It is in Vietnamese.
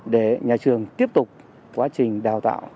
để nhà trường tiếp tục quá trình đào tạo